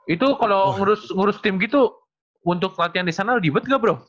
itu kalo ngurus ngurus tim gitu untuk latihan di sana dibed gak bro